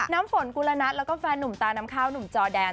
น้ำฝนกุลนัทแล้วก็แฟนหนุ่มตาน้ำข้าวหนุ่มจอแดน